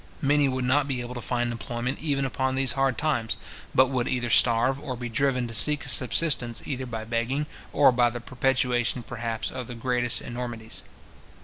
Many would not be able to find employment even upon these hard terms, but would either starve, or be driven to seek a subsistence, either by begging, or by the perpetration perhaps, of the greatest enormities.